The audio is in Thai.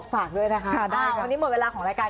ฝากด้วยนะคะได้วันนี้หมดเวลาของรายการ